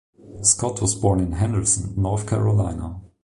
Scott was born in Henderson, North Carolina.